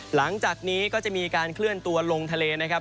หลังจากนี้ก็จะมีการเคลื่อนตัวลงทะเลนะครับ